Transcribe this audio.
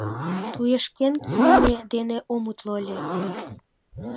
Туешкен кийыме дене ом утло ыле.